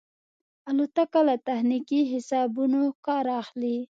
الوتکه له تخنیکي حسابونو کار اخلي.